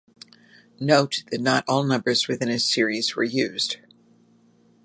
Note that not all numbers within a series were used.